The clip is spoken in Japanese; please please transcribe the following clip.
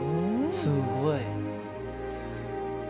すごい。